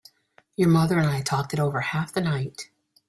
Your mother and I talked it over half the night.